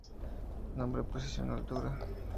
Nombre Posición Altura